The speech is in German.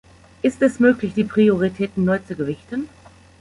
Ist es möglich, die Prioritäten neu zu gewichten?